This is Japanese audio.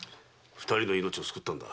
二人の命を救ったのだ。